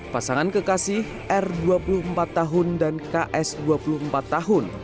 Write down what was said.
pasangan kekasih r dua puluh empat tahun dan ks dua puluh empat tahun